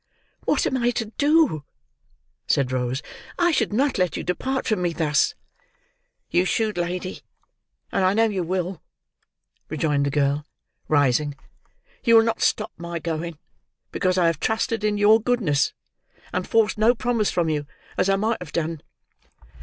"What am I to do?" said Rose. "I should not let you depart from me thus." "You should, lady, and I know you will," rejoined the girl, rising. "You will not stop my going because I have trusted in your goodness, and forced no promise from you, as I might have done."